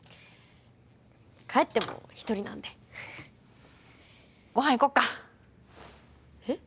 帰っても一人なんでご飯行こっかえっ？